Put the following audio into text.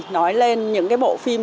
nói lên những cái bộ phim